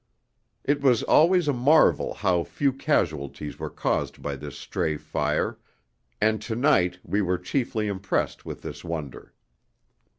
It was always a marvel how few casualties were caused by this stray fire, and to night we were chiefly impressed with this wonder.